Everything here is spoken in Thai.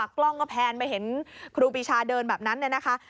กล้องก็แพนมาเห็นครูปีชาเดินแบบนั้นเนี่ยนะคะ